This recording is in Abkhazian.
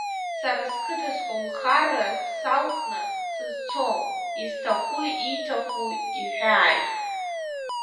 Сара сқыҭа, сколнхара салҵны сызцом, изҭаху ииҭаху иҳәааит!